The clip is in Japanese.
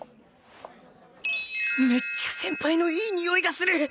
めっちゃ先輩のいいにおいがする！